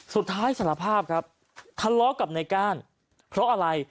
สุดท้ายสารภาพครับทะเลาะกับนายก้านเพราะอะไร